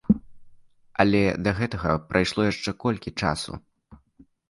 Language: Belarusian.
Але да гэтага прайшло яшчэ колькі часу.